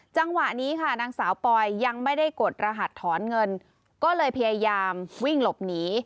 จังหวะนี้ค่ะนางสาวปอยยังไม่ได้กดรหัสถอนเงินก็เลยพยายามวิ่งหลบหนี